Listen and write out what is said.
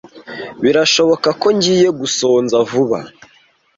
Birashoboka ko ngiye gusonza vuba.